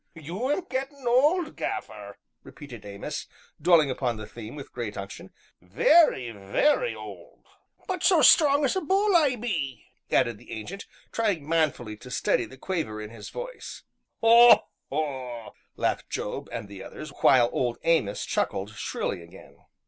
"You 'm gettin' old, Gaffer," repeated Amos, dwelling upon the theme with great unction, "very, very old " "But so strong as a bull, I be!" added the Ancient, trying manfully to steady the quaver in his voice. "Haw! haw!" laughed Job and the others, while Old Amos chuckled shrilly again.